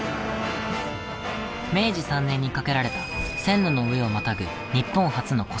明治３年に架けられた線路の上をまたぐ日本初のこ線橋。